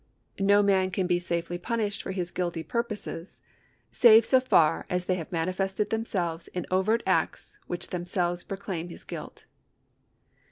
No man can be safely punished for his guilty purposes, save so far as they have manifested themselves in overt acts which themselves proclaim his guilt.